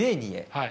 はい。